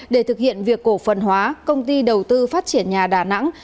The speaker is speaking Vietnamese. để thực hiện việc cổ phần hóa công ty đầu tư phát triển nhà đà nẵng